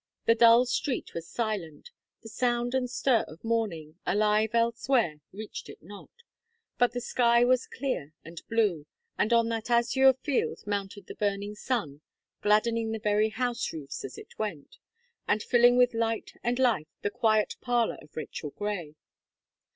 The dull street was silent; the sound and stir of morning, alive elsewhere, reached it not; but the sky was clear and blue, and on that azure field mounted the burning sun, gladdening the very house roofs as he went, and filling with light and life the quiet parlour of Rachel Gray.